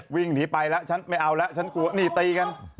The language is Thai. วิ่งหนีไปละชั้นไม่เอาละฉันกลัวนี่ตีกัน